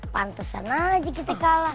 pantesan aja kita kalah